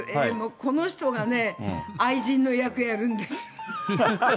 この人がね、愛人の役やるんです。